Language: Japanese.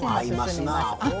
合いますな。